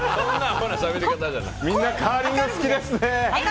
みんなカーリング好きですね。